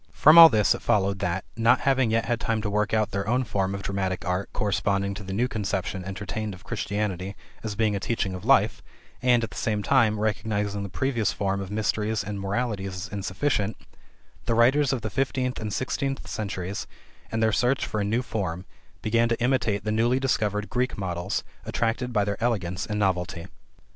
From all this it followed that, not having yet had time to work out their own form of dramatic art corresponding to the new conception entertained of Christianity as being a teaching of life, and, at the same time, recognizing the previous form of Mysteries and Moralities as insufficient, the writers of the fifteenth and sixteenth centuries, in their search for a new form, began to imitate the newly discovered Greek models, attracted by their elegance and novelty.